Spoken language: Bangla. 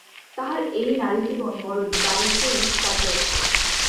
তাহার এই নারীজীবন বড়ো দারিদ্র্যেই কাটিয়াছে।